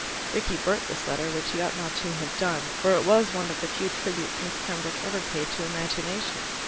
Rickie burnt this letter, which he ought not to have done, for it was one of the few tributes Miss Pembroke ever paid to imagination.